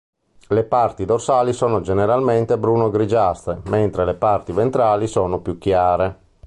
Le parti dorsali sono generalmente bruno-grigiastre, mentre le parti ventrali sono più chiare.